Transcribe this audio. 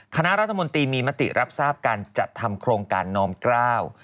คณะรัฐมนตรีมีมติรับทราบการจัดทำโครงการน้อมกล้าว